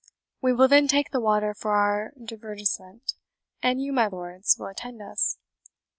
We will then take the water for our divertisement, and you, my lords, will attend us.